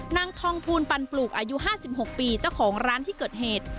นางทองภูลปันปลูกอายุ๕๖ปีเจ้าของร้านที่เกิดเหตุ